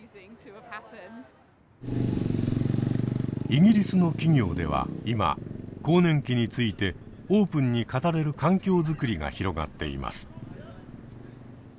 イギリスの企業では今更年期についてオープンに語れる環境づくりが広がっています。